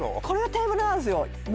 これがテーブルなんですよ